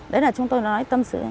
đấy là chúng tôi nói tâm sự